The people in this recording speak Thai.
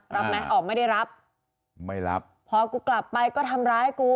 รับไหมออกไม่ได้รับไม่รับพอกูกลับไปก็ทำร้ายกู